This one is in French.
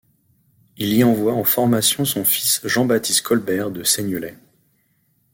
Il y envoie en formation son fils Jean-Baptiste Colbert de Seignelay.